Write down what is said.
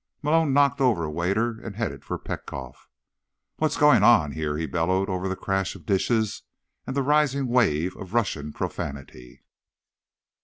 Malone knocked over a waiter and headed for Petkoff. "What's going on here?" he bellowed over the crash of dishes and the rising wave of Russian profanity.